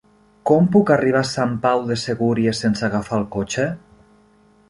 Com puc arribar a Sant Pau de Segúries sense agafar el cotxe?